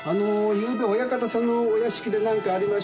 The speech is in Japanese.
ゆうべお館さんのお屋敷でなんかありました？